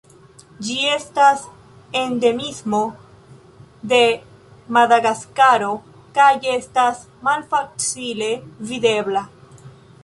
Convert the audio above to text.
Ĝi estas endemismo de Madagaskaro, kaj estas malfacile videbla.